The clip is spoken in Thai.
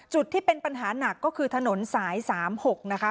ที่เป็นปัญหาหนักก็คือถนนสาย๓๖นะคะ